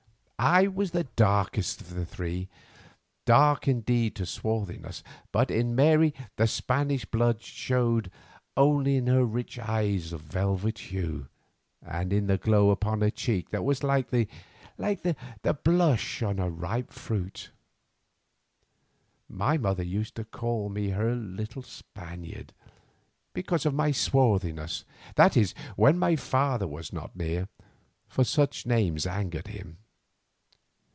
I was the darkest of the three, dark indeed to swarthiness, but in Mary the Spanish blood showed only in her rich eyes of velvet hue, and in the glow upon her cheek that was like the blush on a ripe fruit. My mother used to call me her little Spaniard, because of my swarthiness, that is when my father was not near, for such names angered him.